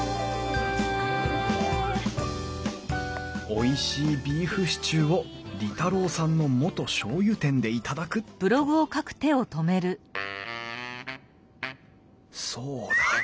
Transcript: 「おいしいビーフシチューを利太郎さんの元しょうゆ店で頂く」とそうだ。